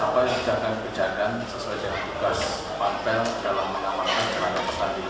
apa yang sedangkan kejadian sesuai dengan tugas pampel dalam menyalahkan perangkat pesan dini